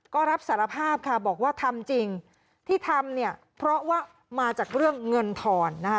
ก็รับสารภาพค่ะบอกว่าทำจริงที่ทำเนี่ยเพราะว่ามาจากเรื่องเงินทอนนะคะ